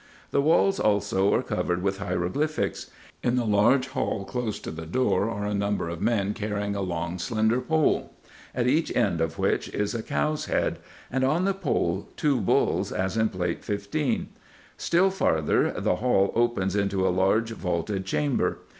The walls also are covered with hiero glyphics. In the large hall close to the door are a number of men carrying a long slender pole, at each end of which is a cow's head, and on the pole, two bulls, as in Plate 15. Still farther, the hall opens into the large vaulted chamber.